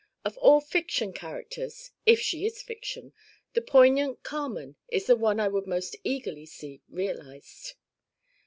Of all fiction characters if she is fiction the poignant Carmen is the one I would most eagerly see realized.